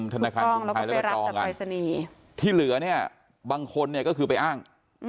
คุณต้องแล้วก็ไปรับจากรายสนีย์ที่เหลือเนี้ยบางคนเนี้ยก็คือไปอ้าง